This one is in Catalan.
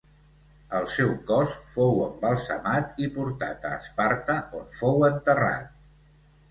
El seu cos fou embalsamat i portat a Esparta on fou enterrat.